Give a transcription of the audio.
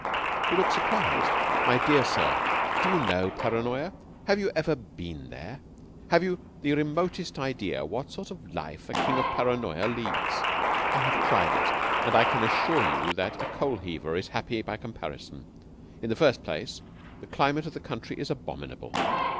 You look surprized? My dear sir, do you know Paranoya? Have you ever been there? Have you the remotest idea what sort of life a King of Paranoya leads? I have tried it, and I can assure you that a coal heaver is happy by comparison. In the first place, the climate of the country is abominable.